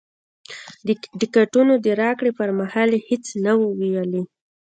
د ټکټونو د راکړې پر مهال یې هېڅ نه وو ویلي.